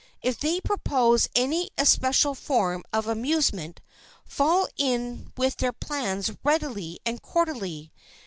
If they propose any especial form of amusement, fall in with their plans readily and cordially.